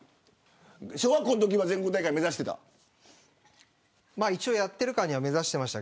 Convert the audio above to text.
小学校のときは、全国大会目指してましたか。